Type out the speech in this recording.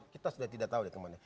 kita sudah tidak tahu ya kemana